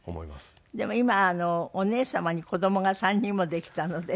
でも今お姉様に子供が３人もできたので。